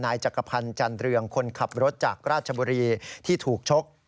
จักรพันธ์จันเรืองคนขับรถจากราชบุรีที่ถูกชก